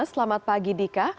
selamat pagi dika